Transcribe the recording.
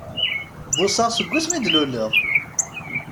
Bbuṣaɣ seg wasmi i d-luleɣ!